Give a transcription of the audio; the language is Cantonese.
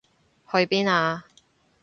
去邊啊？